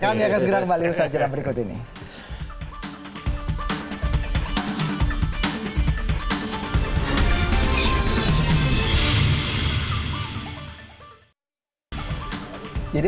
kami akan segera kembali ke sejarah berikut ini